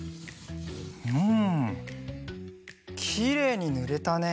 うんきれいにぬれたね。